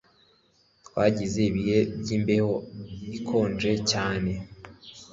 Twagize ibihe byimbeho ikonje cyane